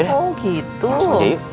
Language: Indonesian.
langsung aja yuk